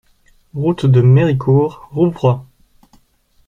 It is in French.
Route de Méricourt, Rouvroy